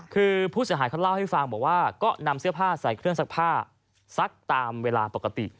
คือผู้เสียหายเขาเล่าให้ฟังบอกว่าก็นำเสื้อผ้าใส่เครื่องซักผ้าซักตามเวลาปกติ